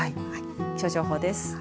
気象情報です。